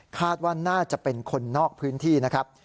คาดว่าน่าจะเป็นคนนอกพื้นที่นะครับ